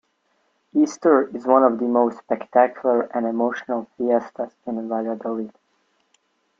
Easter is one of the most spectacular and emotional fiestas in Valladolid.